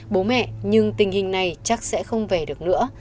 bố mẹ nhưng tình hình này chắc sẽ không về được nữa